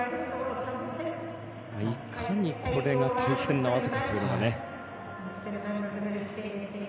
いかにこれが大変な技かというね。